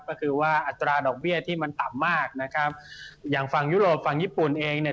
ก็คือว่าอัตราดอกเบี้ยที่มันต่ำมากนะครับอย่างฝั่งยุโรปฝั่งญี่ปุ่นเองเนี่ย